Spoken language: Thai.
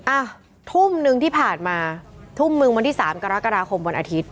อ่ะทุ่มหนึ่งที่ผ่านมาทุ่มหนึ่งวันที่สามกรกฎาคมวันอาทิตย